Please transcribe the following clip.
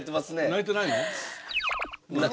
泣いてないの？